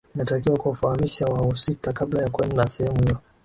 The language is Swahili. inatakiwa kuwafahamisha wahusika kabla ya kwenda sehemu hiyo